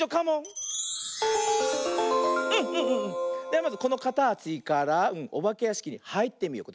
ではまずこのかたちからおばけやしきにはいってみよう。